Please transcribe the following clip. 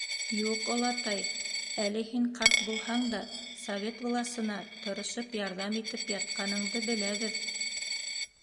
— Юҡ, олатай, әле һин, ҡарт булһаң да, Совет власына тырышып ярҙам итеп ятҡаныңды беләбеҙ.